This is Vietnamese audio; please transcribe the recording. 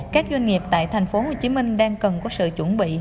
các doanh nghiệp tại tp hcm đang cần có sự chuẩn bị